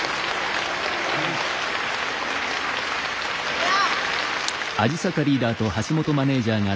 いや。